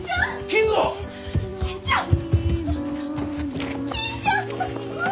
金ちゃん！